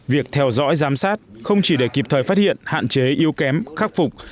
việc theo dõi giám sát không chỉ để kịp thời phát hiện hạn chế yếu kém khắc phục